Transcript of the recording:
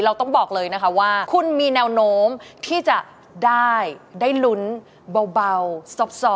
ต้องบอกเลยนะคะว่าคุณมีแนวโน้มที่จะได้ได้ลุ้นเบาซอบ